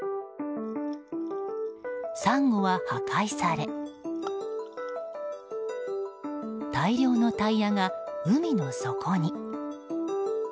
サンゴは破壊され大量のタイヤが海の底に。